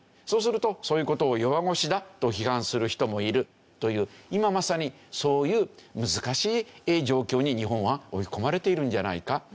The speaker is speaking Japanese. そうするとそういう事を弱腰だと批判する人もいるという今まさにそういう難しい状況に日本は追い込まれているんじゃないか。